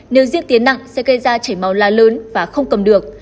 nếu riêng tiến nặng sẽ gây ra chảy máu la lớn và không cầm được